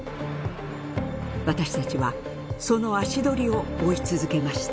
私たちはその足取りを追い続けました。